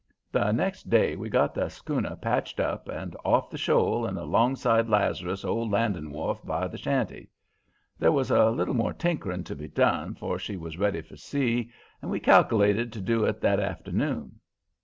"The next day we got the schooner patched up and off the shoal and 'longside Lazarus' old landing wharf by the shanty. There was a little more tinkering to be done 'fore she was ready for sea, and we cal'lated to do it that afternoon.